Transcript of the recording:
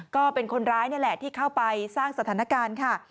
ก็เป็นคนร้ายนี่แหละที่เข้าไปสร้างสถานการณ์ค่ะ